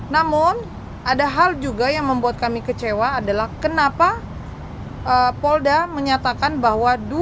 namun ada hal juga yang membuat kami kecewa adalah kenapa polda menyatakan bahwa